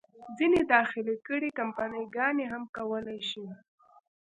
ځینې داخلي کړۍ، کمپني ګانې هم کولای شي.